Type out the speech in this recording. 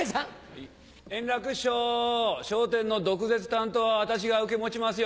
円楽師匠『笑点』の毒舌担当は私が受け持ちますよ。